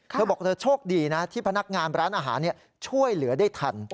เธอบอกเธอโชคดีนะที่พนักงานร้านอาหารช่วยเหลือได้ทัน